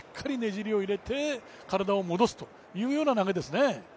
じりを入れて体を戻すというような投げですね。